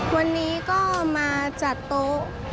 วันนี้ก็มาจัดโต๊ะ